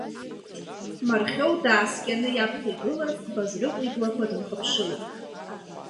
Мархьоу дааскьаны иаԥхьа игылаз Базрыҟә иблақәа дынхыԥшылеит.